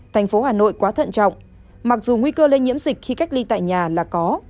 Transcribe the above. thành phố hà nội quá thận trọng mặc dù nguy cơ lây nhiễm dịch khi cách ly tại nhà là có